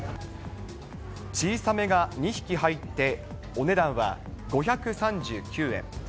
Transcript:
小さめが２匹入って、お値段は５３９円。